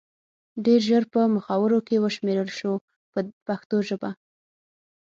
ډېر ژر په مخورو کې وشمېرل شو په پښتو ژبه.